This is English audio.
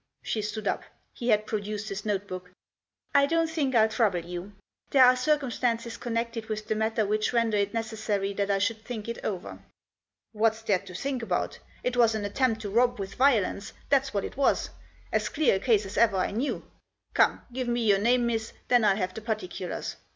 She stood up. He had produced his notebook. " I don't think I'll trouble you. There are circumstances connected with the matter which render it necessary that I should think it over." " What's there to think about ? It was an attempt to rob with violence, that's what it was ; as clear a case as ever I knew. Come, give me your name, miss, then I'll have the particulars.